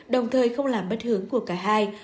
đồng thời không làm bất hướng của cả hai